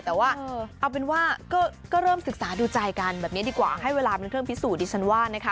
แต่ว่าเอาเป็นว่าก็เริ่มศึกษาดูใจกันแบบนี้ดีกว่าให้เวลาเป็นเครื่องพิสูจน์ดิฉันว่านะคะ